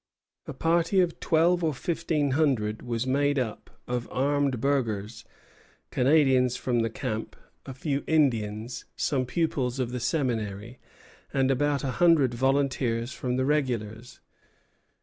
A party of twelve or fifteen hundred was made up of armed burghers, Canadians from the camp, a few Indians, some pupils of the Seminary, and about a hundred volunteers from the regulars.